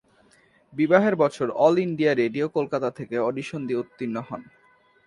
বিবাহের বছরে all India radio, Kolkata থেকে অডিশন দিয়ে উত্তীর্ণ হন।